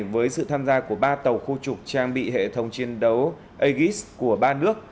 với sự tham gia của ba tàu khu trục trang bị hệ thống chiến đấu aegis của ba nước